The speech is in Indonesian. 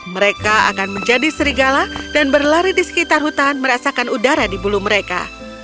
mereka akan menjadi serigala dan berlari di sekitar hutan merasakan udara di bulu mereka